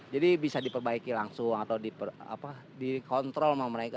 jadi bisa diperbaiki langsung atau dikontrol sama mereka